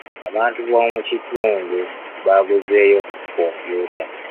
Abantu b'omu kitundu baaguzeyo ku kompyuta.